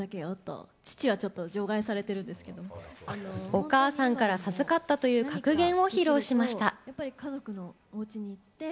お母さんから授かったという格言を披露しました。